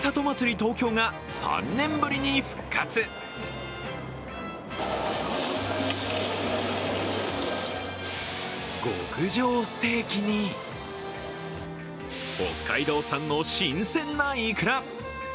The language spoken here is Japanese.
東京が３年ぶりに復活極上ステーキに北海道産の新鮮ないくら。